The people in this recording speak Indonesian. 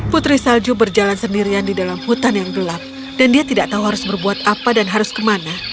putri salju berjalan sendirian di dalam hutan yang gelap dan dia tidak tahu harus berbuat apa dan harus kemana